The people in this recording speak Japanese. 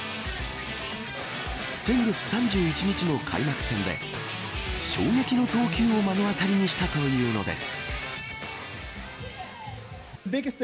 先月３１日の開幕戦で衝撃の投球を目の当りにしたというのです。